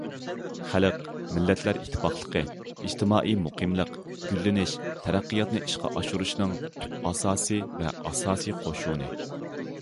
خەلق مىللەتلەر ئىتتىپاقلىقى، ئىجتىمائىي مۇقىملىق، گۈللىنىش، تەرەققىياتنى ئىشقا ئاشۇرۇشنىڭ تۈپ ئاساسى ۋە ئاساسىي قوشۇنى.